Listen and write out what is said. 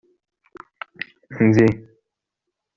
Ndi.